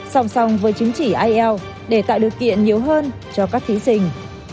song song với chứng chỉ ielts để tạo điều kiện nhiều hơn cho các thí sinh